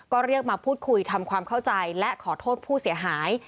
ก็เรียกมาพูดคุยทำความเข้าใจและขอโทษผู้เสียหาย